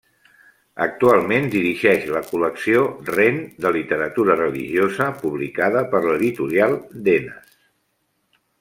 Actualment dirigeix la col·lecció Rent de literatura religiosa, publicada per l'editorial Denes.